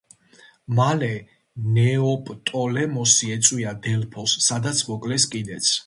მალე ნეოპტოლემოსი ეწვია დელფოს, სადაც მოკლეს კიდეც.